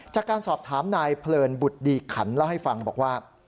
จากการสอบถามนายเพลินบุตรดีขันเล่าให้ฟังบอกว่า